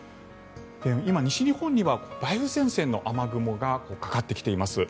今、西日本には梅雨前線の雨雲がかかってきています。